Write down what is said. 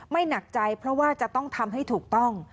หนักใจเพราะว่าจะต้องทำให้ถูกต้อง